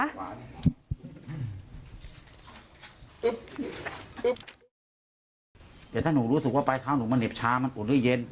อุ๊บอุ๊บเดี๋ยวถ้าหนูรู้สึกว่าปลายเท้าหนูมันเหล็บชามันอุ่นหรือเย็น